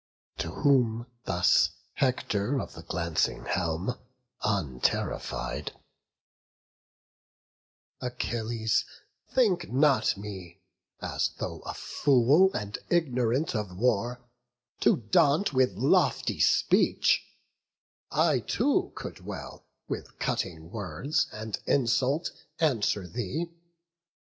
To whom thus Hector of the glancing helm, Unterrified: "Achilles, think not me, As though a fool and ignorant of war, To daunt with lofty speech; I too could well With cutting words and insult answer thee.